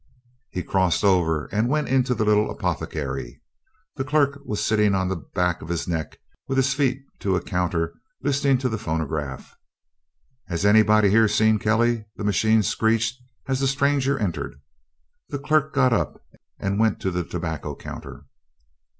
He crossed over and went into the little apothecary. The clerk was sitting on the back of his neck with his feet to a counter listening to the phonograph. "Has anybody here seen Kelly?" the machine screeched as the stranger entered. The clerk got up and went to the tobacco counter.